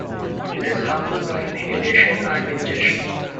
It is harmful by inhalation and ingestion.